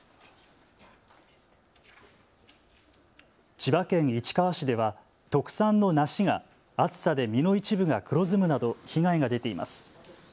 千葉県市川市では特産の梨が暑さで実の一部が黒ずむなど被害が出ています。